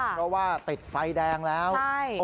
เพราะว่าติดไฟแดงแล้ว